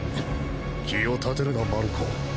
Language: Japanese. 気を立てるなマルコ。